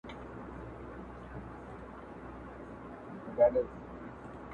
دا ئې اختر د چا کره ولاړ سو.